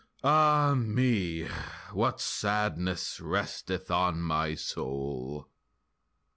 Ah, me! What sadness resteth on my soul!